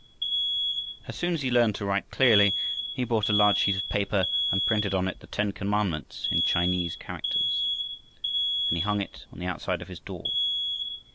As soon as he had learned to write clearly, he bought a large sheet of paper, and printed on it the ten commandments in Chinese characters. Then he hung it on the outside of his door.